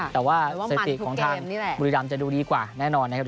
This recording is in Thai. แต่ว่าเศรษฐีของทางบุรีรัมป์จะดูดีกว่าแน่นอนนะครับ